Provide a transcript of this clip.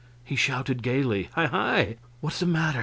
He shouted, gaily: "Hi hi! What is the matter?